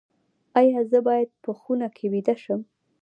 ایا زه باید په خونه کې ویده شم؟